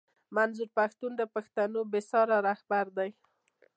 منظور پښتون د پښتنو بې ساری رهبر دی